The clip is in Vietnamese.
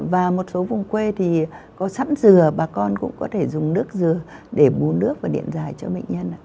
và một số vùng quê thì có sẵn dừa bà con cũng có thể dùng nước dừa để bù nước và điện dài cho bệnh nhân